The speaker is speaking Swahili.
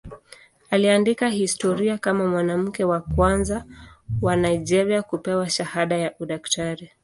Aliandika historia kama mwanamke wa kwanza wa Nigeria kupewa shahada ya udaktari.